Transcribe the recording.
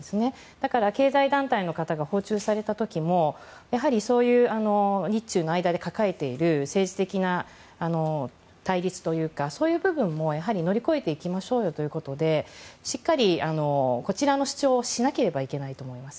だから経済団体の方が訪中された時もやはり、日中の間で抱えている政治的な対立とかそういう部分も乗り越えていきましょうということでしっかりこちらの主張をしなければいけないと思います。